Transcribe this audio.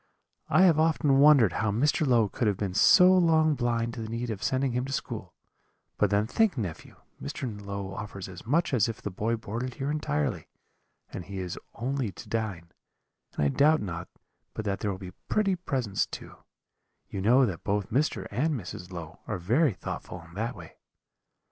I have often wondered how Mr. Low could have been so long blind to the need of sending him to school; but then think, nephew, Mr. Low offers as much as if the boy boarded here entirely, and he is only to dine; and I doubt not but that there will be pretty presents too you know that both Mr. and Mrs. Low are very thoughtful in that way.'